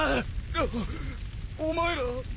あっお前ら。